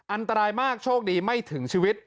อันตรายมากโชคดีไม่ถึงชีวิต